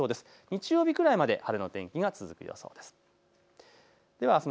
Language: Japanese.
日曜日くらいまで晴れの天気が続く予想です。